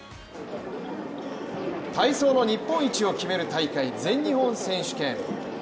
体操の日本一を決める大会全日本選手権。